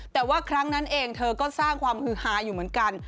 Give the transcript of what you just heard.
แต่ว่าครั้งนั้นเองเธอก็สร้างความฮือฮาอยู่เหมือนกัน